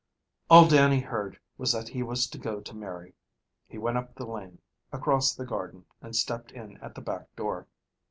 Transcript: All Dannie heard was that he was to go to Mary. He went up the lane, across the garden, and stepped in at the back door.